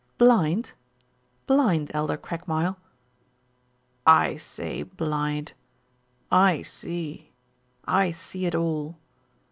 "Blind? Blind, Elder Craigmile?" "I say blind. I see. I see it all."